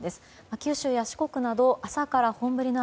九州や四国など朝から本降りの雨。